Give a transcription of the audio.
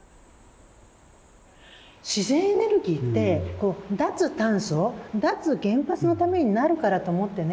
自然エネルギーって脱炭素脱原発のためになるからと思ってね